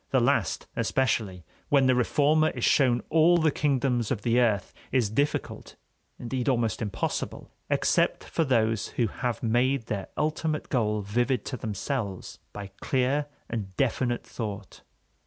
The last especially, when the reformer is shown all the kingdoms of the earth, is difficult, indeed almost impossible, except for those who have made their ultimate goal vivid to themselves by clear and definite thought.